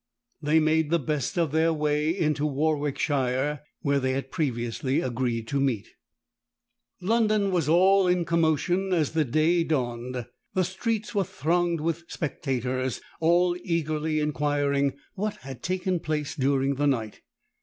They made the best of their way into Warwickshire, where they had previously agreed to meet. London was all in commotion as the day dawned: the streets were thronged with spectators, all eagerly inquiring what had taken place during the night.